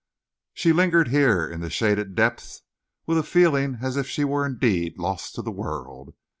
She lingered here in the shaded depths with a feeling as if she were indeed lost to the world.